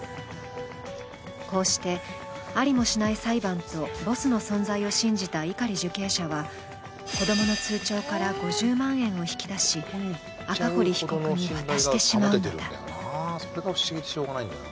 こうして、ありもしない裁判とボスの存在を信じた碇受刑者は、子供の通帳から５０万円を引き出し、赤堀被告に渡してしまうのだ。